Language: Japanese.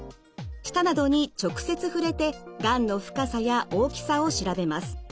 舌などに直接触れてがんの深さや大きさを調べます。